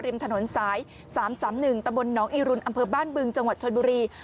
ริมถนนซ้ายสามสามหนึ่งตะบลน้องอีรุนอัมเภอบ้านบึงจังหวัดชนบุรี